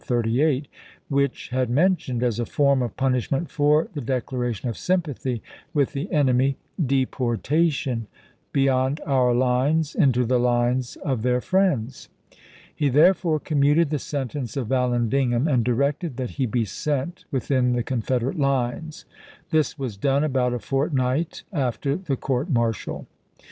38, which had mentioned, as a form of punishment for the declaration of sympathy with the enemy, deportation " beyond our lines into the lines of their friends." He therefore commuted the sentence of Vallandigham, and directed that he be sent within the Confederate lines.1 This was done about a fortnight after the court martial.